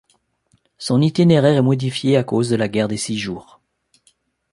Son itinéraire est modifié à cause de la guerre des Six Jours.